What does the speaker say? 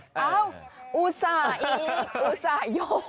อ้าวอุสายอุสาโย